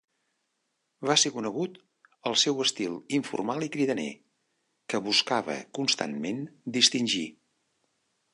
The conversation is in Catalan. Va ser conegut el seu estil informal i cridaner, que buscava constantment distingir.